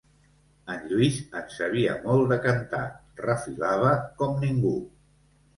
En Lluís en sabia molt, de cantar: refilava com ningú.